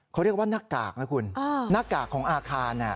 เขาเรียกว่าหน้ากากนะคุณหน้ากากของอาคาร